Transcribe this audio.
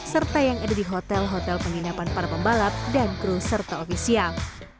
serta yang ada di hotel hotel penginapan para pembalap dan kru serta ofisial